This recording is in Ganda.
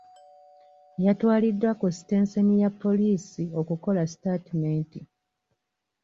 Yatwaliddwa ku sitenseni ya poliisi okukola sitatimenti.